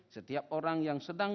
setiap orang yang sedang